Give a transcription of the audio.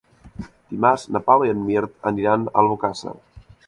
Dimarts na Paula i en Mirt aniran a Albocàsser.